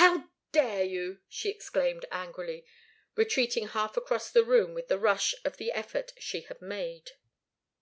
"How dare you?" she exclaimed, angrily, retreating half across the room with the rush of the effort she had made.